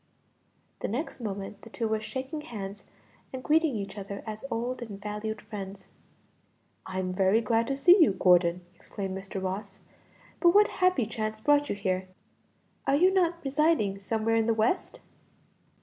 The next moment the two were shaking hands and greeting each other as old and valued friends. "I'm very glad to see you, Gordon!" exclaimed Mr. Ross; "but what happy chance brought you here? Are you not residing somewhere in the West?"